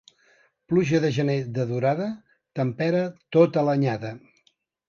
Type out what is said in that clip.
Pluja de gener de durada tempera tota l'anyada.